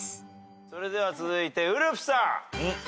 それでは続いてウルフさん。